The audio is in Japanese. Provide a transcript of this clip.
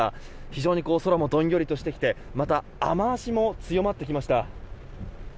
非常に空もどんよりとしてきて雨脚も強まってきました。